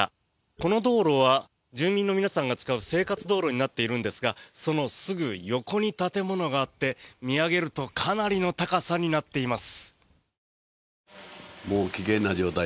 この道路は住民の皆さんが使う生活道路になっているんですがそのすぐ横に建物があって見上げるとかなりの高さになっています。